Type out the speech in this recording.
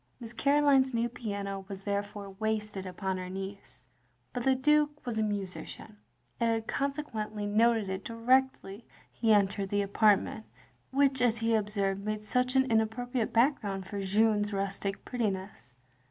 Miss Caroline's new piano was therefore wasted upon her niece; but the Dtike was a musician, and had consequently noted it directly he entered the apartment which, as he observed, made such an inappropriate backgrotind for Jeanne's rustic prettiness.